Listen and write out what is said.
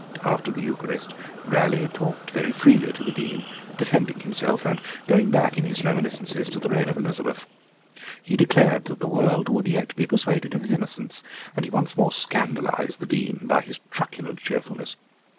After the Eucharist, Raleigh talked very freely to the Dean, defending himself, and going back in his reminiscences to the reign of Elizabeth. He declared that the world would yet be persuaded of his innocence, and he once more scandalised the Dean by his truculent cheerfulness.